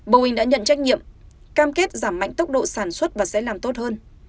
boeing đã nhận trách nhiệm cam kết giảm mạnh tốc độ sản xuất và sẽ làm tốt hơn